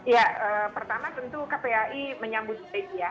ya pertama tentu kpai menyambutnya